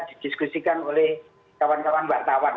didiskusikan oleh kawan kawan mbak tawang